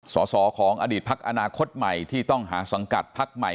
สอสอของอดีตพักอนาคตใหม่ที่ต้องหาสังกัดพักใหม่